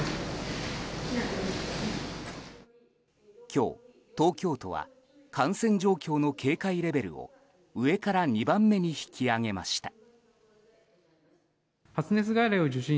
今日、東京都は感染状況の警戒レベルを上から２番目に引き上げました。